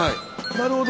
なるほど。